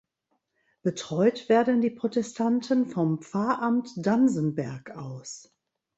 Betreut werden die Protestanten vom Pfarramt Dansenberg aus.